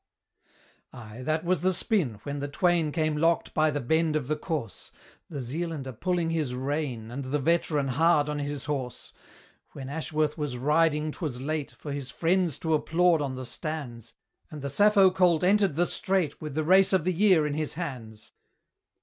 Aye, that was the spin, when the twain Came locked by the bend of the course, The Zealander pulling his rein, And the veteran hard on his horse! When Ashworth was "riding" 'twas late For his friends to applaud on the stands, And the Sappho colt entered the straight With the race of the year in his hands.